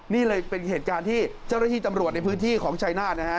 นี่เลยเป็นเหตุการณ์ที่เจ้าระชีจำรวจในพื้นที่ของชัยนาฐครับ